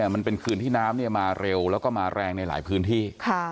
มันเป็นคืนที่น้ำมาเร็วแล้วก็มาแรงในหลายพื้นที่